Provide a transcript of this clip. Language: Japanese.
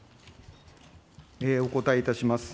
お答えいたします。